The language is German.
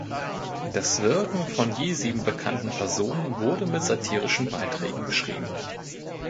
Das Wirken von je sieben bekannten Personen wurde mit satirischen Beiträgen beschrieben.